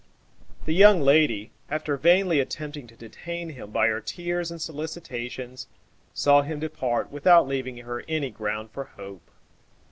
The young lady, after vainly attempting to detain him by her tears and solicitations, saw him depart without leaving her any ground for hope.